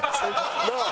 なあ？